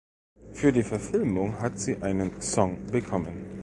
Für die Verfilmung hat sie einen Song bekommen.